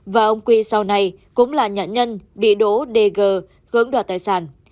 và ông quy sau này cũng là nhãn nhân bị đổ d d g gớm đoạt tài sản